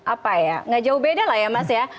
apa ya nggak jauh beda lah ya mas ya